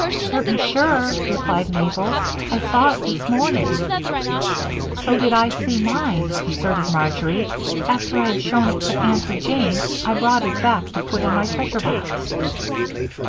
"Certain sure," replied Mabel. "I saw it this morning." "So did I see mine," asserted Marjory. "After I'd shown it to Aunty Jane I brought it back to put in my treasure box."